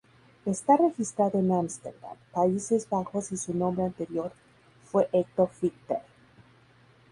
Está registrado en Ámsterdam, Países Bajos y su nombre anterior fue Eco Fighter.